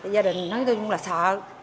gia đình nói chung là sợ